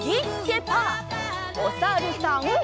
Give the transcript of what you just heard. おさるさん。